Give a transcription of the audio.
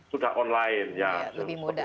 sudah online ya lebih mudah